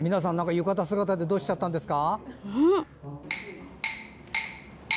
浴衣姿でどうしちゃったんですか。